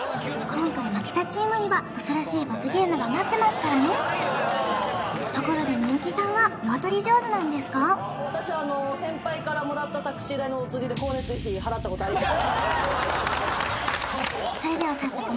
今回負けたチームには恐ろしい罰ゲームが待ってますからねところで私は先輩からもらったタクシー代のおつりで光熱費払ったことあります